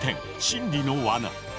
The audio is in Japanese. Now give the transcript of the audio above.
心理のワナ。